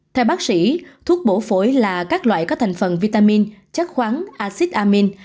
theo bác sĩ thuốc bổ phổi là các loại có thành phần vitamin chất khoáng acid amine